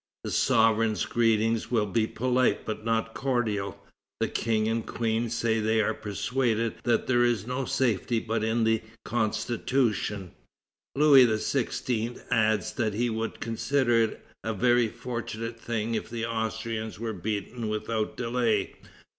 The sovereign's greeting will be polite, but not cordial. The King and Queen say they are persuaded that there is no safety but in the Constitution. Louis XVI. adds that he would consider it a very fortunate thing if the Austrians were beaten without delay.